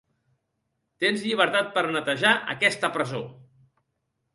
Tens llibertat per a netejar aquesta presó.